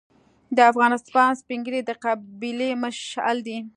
د افغان سپین ږیری د قبیلې مشعل دی.